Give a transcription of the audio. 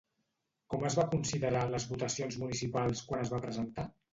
Com es va considerar les votacions municipals quan es va presentar?